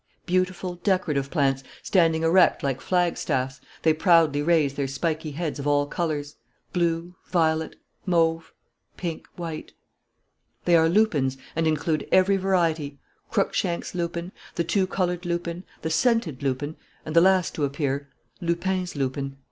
Beautiful, decorative plants, standing erect like flag staffs, they proudly raise their spiky heads of all colours: blue, violet, mauve, pink, white. They are lupins and include every variety: Cruikshank's lupin, the two coloured lupin, the scented lupin, and the last to appear, Lupin's lupin.